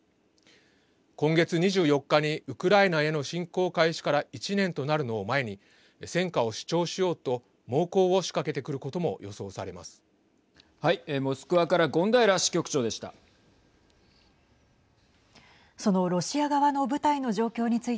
今月２４日にウクライナへの侵攻開始から１年となるのを前に戦果を主張しようと猛攻を仕掛けてくることもはい。